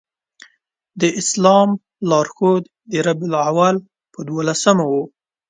د اسلام لار ښود د ربیع الاول په دولسمه و.